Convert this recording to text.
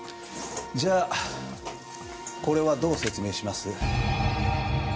じゃあこれはどう説明します？